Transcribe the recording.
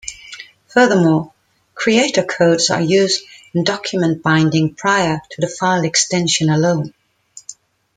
Furthermore, creator codes are used in document binding prior to the file extension alone.